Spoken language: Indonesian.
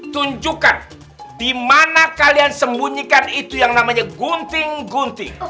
tunjukkan di mana kalian sembunyikan itu yang namanya gunting gunting